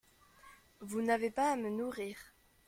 Vous n’avez pas à me nourrir.